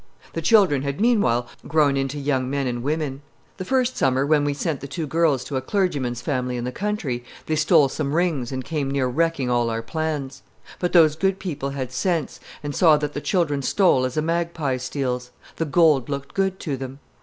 The children had meanwhile grown into young men and women. The first summer, when we sent the two girls to a clergyman's family in the country, they stole some rings and came near wrecking all our plans. But those good people had sense, and saw that the children stole as a magpie steals the gold looked good to them.